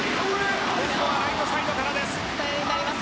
今度はライトサイドからです。